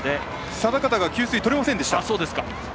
定方、給水取れませんでした。